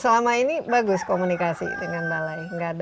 selama ini bagus komunikasi dengan balai